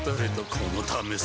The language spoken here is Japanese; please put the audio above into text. このためさ